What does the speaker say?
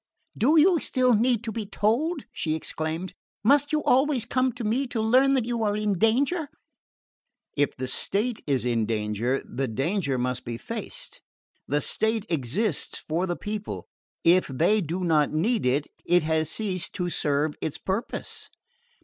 "Do you still need to be told?" she exclaimed. "Must you always come to me to learn that you are in danger?" "If the state is in danger the danger must be faced. The state exists for the people; if they do not need it, it has ceased to serve its purpose."